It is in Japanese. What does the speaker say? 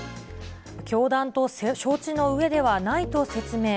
教団と承知のうえではないと説明。